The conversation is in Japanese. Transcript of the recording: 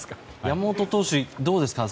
山本投手、どうですか。